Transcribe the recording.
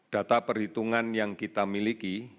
data perhitungan yang kita miliki